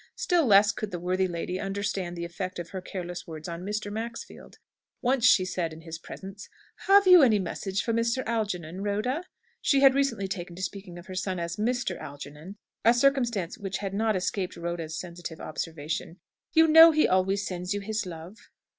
Still less could the worthy lady understand the effect of her careless words on Mr. Maxfield. Once she said in his presence, "Have you any message for Mr. Algernon, Rhoda?" (She had recently taken to speaking of her son as "Mr." Algernon; a circumstance which had not escaped Rhoda's sensitive observation.) "You know he always sends you his love."